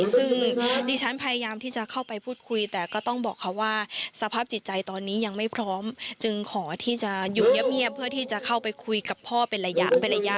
ซึ่งดิฉันพยายามที่จะเข้าไปพูดคุยแต่ก็ต้องบอกเขาว่าสภาพจิตใจตอนนี้ยังไม่พร้อมจึงขอที่จะอยู่เงียบเพื่อที่จะเข้าไปคุยกับพ่อเป็นระยะ